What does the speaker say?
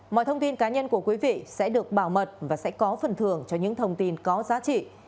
mọi thông tin cá nhân của quý vị sẽ được bảo mật và sẽ có phần thưởng cho những thông tin có giá trị